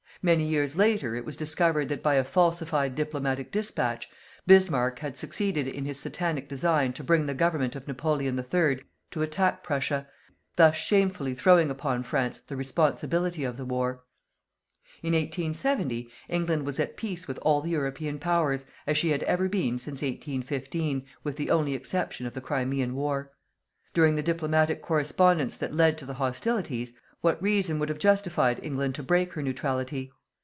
Many years later it was discovered that by a falsified diplomatic despatch, Bismark had succeeded in his satanic design to bring the government of Napoleon III to attack Prussia, thus shamefully throwing upon France the responsibility of the war. In 1870, England was at peace with all the European Powers, as she had ever been since 1815, with the only exception of the Crimean War. During the diplomatic correspondence that led to the hostilities, what reason would have justified England to break her neutrality?